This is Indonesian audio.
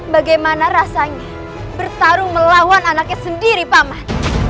bagaimana rasanya bertarung melawan anaknya sendiri paman